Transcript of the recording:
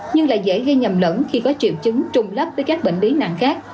nhưng lại dễ gây nhầm lẫn khi có triệu chứng trùng lấp với các bệnh lý nặng khác